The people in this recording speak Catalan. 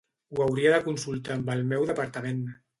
Ho hauria de consultar amb el meu departament.